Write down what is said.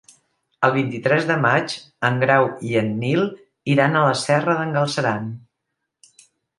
El vint-i-tres de maig en Grau i en Nil iran a la Serra d'en Galceran.